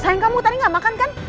sayang kamu tadi gak makan kan